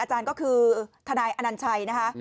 อาจารย์ก็คือทนายอานันชัย